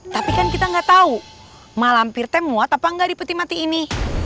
tapi kan kita nggak tahu malam bir muat apa nggak di peti mati ini